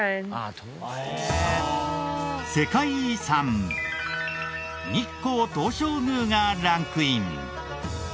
世界遺産日光東照宮がランクイン。